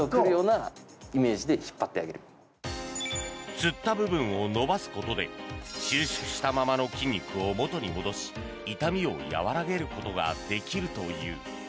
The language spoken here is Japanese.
つった部分を伸ばすことで収縮したままの筋肉を元に戻し痛みを和らげることができるという。